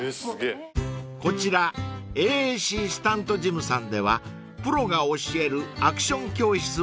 ［こちらＡＡＣＳＴＵＮＴＳＧＹＭさんではプロが教えるアクション教室を開催］